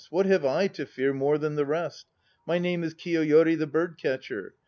What have I to fear More than the rest? My name is Kiyoyori the Bird Catcher.